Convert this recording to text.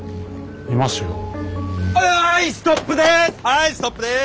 はいストップです！